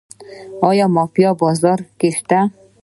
آیا مافیا په بازار کې شته؟